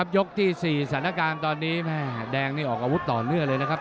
ยกที่๔สถานการณ์ตอนนี้แม่แดงนี่ออกอาวุธต่อเนื่องเลยนะครับ